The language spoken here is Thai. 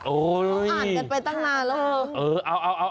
อ่านกันไปตั้งนานแล้ว